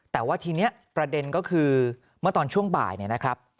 แต่ว่าทีนี้ประเด็นก็คือเมื่อตอนช่วงบ่ายเนี่ยนะครับ